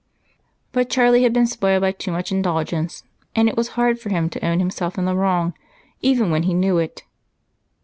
But Charlie had been spoiled by too much indulgence, and it was hard for him to own himself in the wrong even when he knew it.